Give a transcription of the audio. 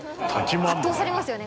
圧倒されますよね